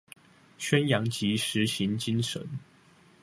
宣揚及實行精神